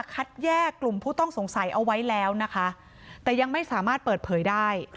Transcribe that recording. คัดแยกกลุ่มผู้ต้องสงสัยเอาไว้แล้วนะคะแต่ยังไม่สามารถเปิดเผยได้